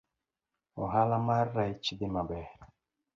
Ohala mar rech dhi maber